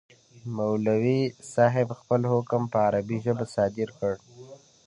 مولوي صاحب خپل حکم په عربي ژبه صادر کړ.